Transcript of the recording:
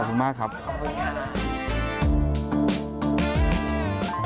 ขอบคุณมากครับขอบคุณค่ะขอบคุณค่ะ